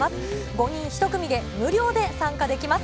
５人１組で無料で参加できます。